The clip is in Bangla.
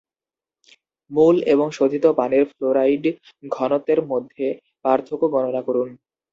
মূল এবং শোধিত পানির ফ্লোরাইড ঘনত্বের মধ্যে পার্থক্য গণনা করুন।